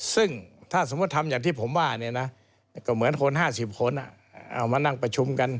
ซึ่งถ้าสมมุติทำอย่างที่ผมว่าเนี่ยนะก็เหมือนคน๕๐คนเอามานั่งประชุมกัน